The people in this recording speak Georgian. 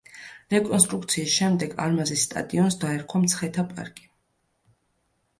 რეკონსტრუქციის შემდეგ არმაზის სტადიონს დაერქვა მცხეთა პარკი.